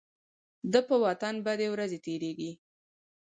د په وطن بدې ورځې تيريږي.